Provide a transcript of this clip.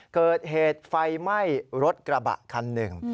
เกิดเหตุไฟไหม้รถกระบะคันหนึ่ง